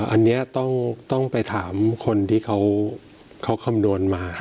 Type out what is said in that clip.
อันนี้ต้องไปถามคนที่เขาคำนวณมา